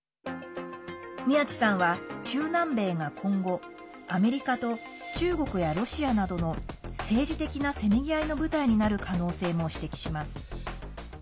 宮地さんは中南米が今後アメリカと中国やロシアなどの政治的なせめぎ合いの舞台になる可能性も指摘します。